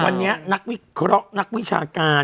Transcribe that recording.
วันนี้นักวิชาการ